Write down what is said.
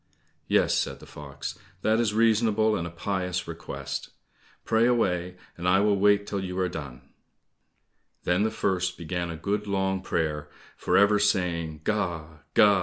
"Yes," said the fox, "that is reasonable, and a pious request. Pray away, I will wait till you are done." Then the first began a good long prayer, for ever saying, "Ga!